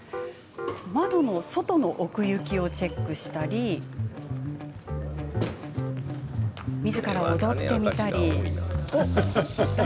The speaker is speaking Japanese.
窓の外の奥行きをチェックしたりみずから踊ってみたり。